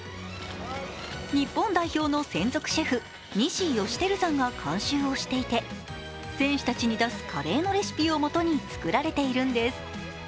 日本代表の専属シェフ・西芳照さんが監修をしていて選手たちに出すカレーのレシピをもとに作られているんです。